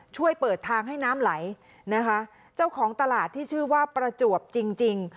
ช่วยเปิดทางให้น้ำไหลนะคะเจ้าของตลาดที่ชื่อว่าประจวบจริงจริง